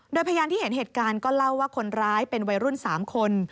โดยพยานที่เห็นเหตุการณ์ก็เล่าว่าคนร้ายเป็นวัยรุ่น๓คน